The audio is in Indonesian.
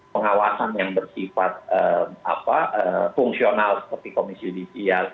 pengawasan yang bersifat fungsional seperti komisi judisial